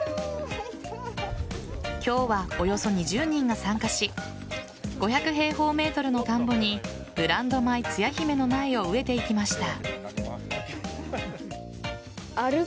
今日は、およそ２０人が参加し５００平方ｍの田んぼにブランド米・つや姫の苗を植えていきました。